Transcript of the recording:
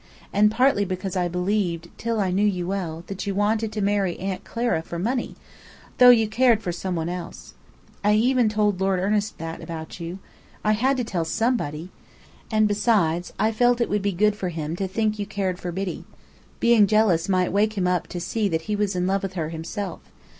and partly because I believed, till I knew you well, that you wanted to marry Aunt Clara for money, though you cared for someone else. I even told Lord Ernest that about you. I had to tell somebody! And besides, I felt it would be good for him to think you cared for Biddy. Being jealous might wake him up to see that he was in love with her himself.